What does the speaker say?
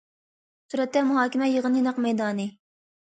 سۈرەتتە: مۇھاكىمە يىغىنى نەق مەيدانى.